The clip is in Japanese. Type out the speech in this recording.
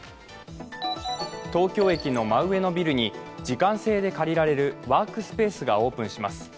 東京駅の真上のビルに時間制で借りられるワークスペースがオープンします。